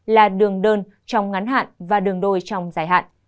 là đường đơn trong ngắn hạn và đường đôi trong dài hạn